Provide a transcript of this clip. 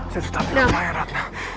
saya tetap kau bayar ratna